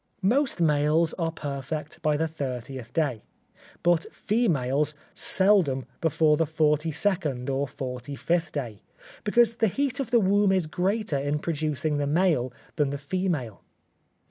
Most males are perfect by the thirtieth day, but females seldom before the forty second or forty fifth day, because the heat of the womb is greater in producing the male than the female.